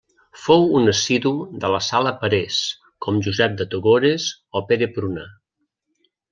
Fou un assidu de la Sala Parés, com Josep de Togores o Pere Pruna.